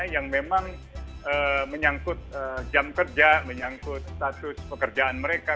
yang memang menyangkut jam kerja menyangkut status pekerjaan mereka